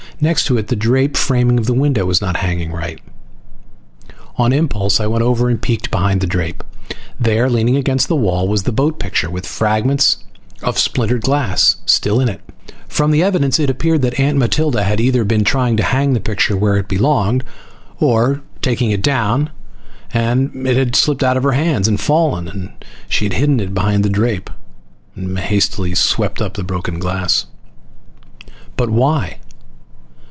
Next to it, the drape framing the window was not hanging right. On impulse I went over and peeked behind the drape. There, leaning against the wall, was the boat picture with fragments of splintered glass still in it. From the evidence it appeared that Aunt Matilda had either been trying to hang the picture where it belonged, or taking it down, and it had slipped out of her hands and fallen, and she had hidden it behind the drape and hastily swept up the broken glass. But why?